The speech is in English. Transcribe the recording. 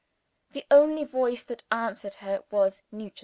The only voice that answered her was Nugent's.